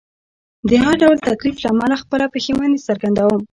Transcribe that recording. د هر ډول تکلیف له امله خپله پښیماني څرګندوم.